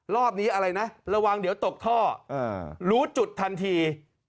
รอบนี้อะไรนะระวังเดี๋ยวตกท่อรู้จุดทันที